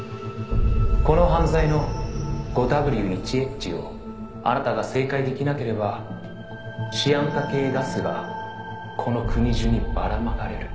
「この犯罪の５Ｗ１Ｈをあなたが正解できなければシアン化系ガスがこの国中にばらまかれる」